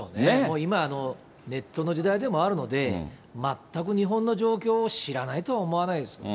今、ネットの時代でもあるので、全く日本の状況を知らないとは思わないですけどね。